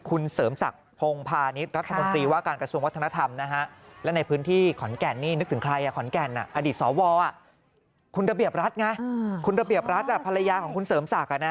คุณเสริมศรักพงธ์พานิดรัฐมนตรีว่าการกระทรวงวัฒนธรรม